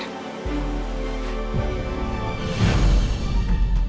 iya ma sebentar